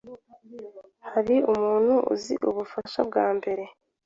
Hari umuntu uzi ubufasha bwambere?